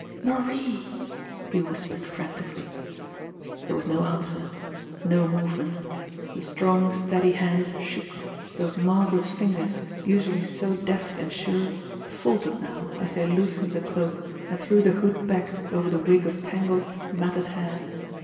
Marie!" he whispered frantically. There was no answer no movement. The strong, steady hands shook, those marvellous fingers, usually so deft and sure, faltered now as they loosened the cloak and threw the hood back over the wig of tangled, matted hair.